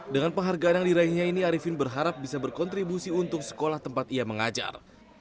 dengan penghargaan yang diraihnya ini arifin berharap bisa berkontribusi untuk sekolah tempat ia mengajar